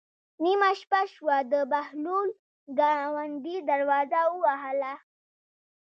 نیمه شپه شوه د بهلول ګاونډي دروازه ووهله.